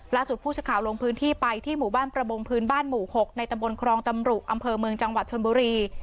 ล่าสุดผู้สื่อข่าวลงพื้นที่ไปที่หมู่บ้านประมงพื้นบ้านหมู่๖ในตำบลครองตำรุอำเภอเมืองจังหวัดชนบุรี